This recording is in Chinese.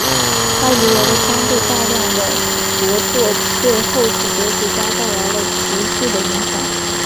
他遗留的相对大量的着作对后世哲学家带来了持续的影响。